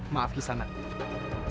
maaf kisah anak ini